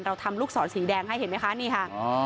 ทำลูกศรสีแดงให้เห็นไหมคะนี่ค่ะ